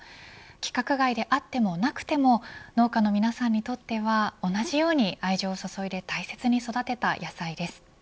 規格外であってもなくても農家の皆さんにとっては同じように愛情を注いで大切に育てた野菜です。